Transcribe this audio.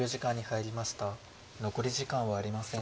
残り時間はありません。